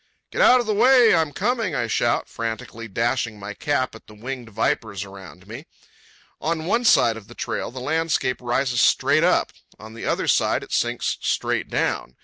"Get out of the way! I'm coming!" I shout, frantically dashing my cap at the winged vipers around me. On one side of the trail the landscape rises straight up. On the other side it sinks straight down.